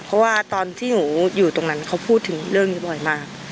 เพราะว่าตอนที่หนูอยู่ตรงนั้นเขาพูดถึงเรื่องนี้บ่อยมาก